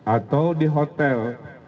atau di hotel